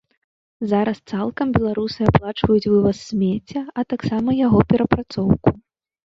Зараз цалкам беларусы аплачваюць вываз смецця, а таксама яго перапрацоўку.